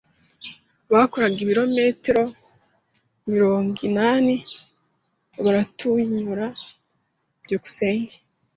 Bakoraga ibirometero mirongo inani baratunyura. byukusenge